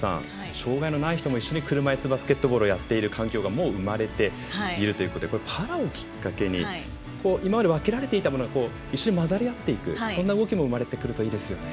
障がいのない人も一緒に車いすバスケットボールをやっている環境が生まれているということでパラをきっかけに今まで分けられていたもの一緒に混ざり合っていくそんな動きも生まれてくるといいですね。